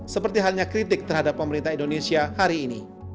seperti halnya kritik terhadap pemerintah indonesia hari ini